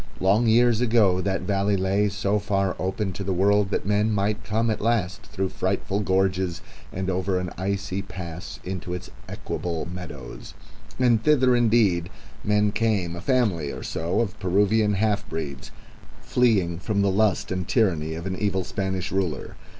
Long years ago that valley lay so far open to the world that men might come at last through frightful gorges and over an icy pass into its equable meadows; and thither indeed men came, a family or so of Peruvian half breeds fleeing from the lust and tyranny of an evil Spanish ruler.